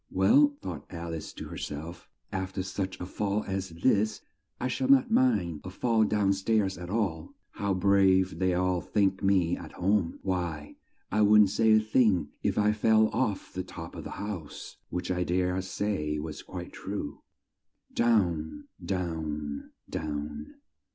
"Well," thought Al ice to her self, "af ter such a fall as this, I shall not mind a fall down stairs at all. How brave they'll all think me at home! Why, I wouldn't say a thing if I fell off the top of the house." (Which I dare say was quite true.) Down, down, down.